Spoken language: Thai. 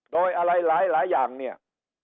โดยอะไรหลายอย่างเนี่ย